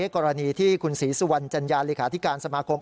กรณีที่คุณศรีสุวรรณจัญญาเลขาธิการสมาคม